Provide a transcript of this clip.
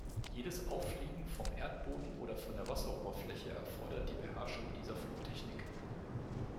Jedes Auffliegen vom Erdboden oder von der Wasseroberfläche erfordert die Beherrschung dieser Flugtechnik.